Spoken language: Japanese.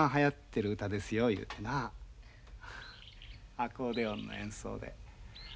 アコーディオンの演奏で。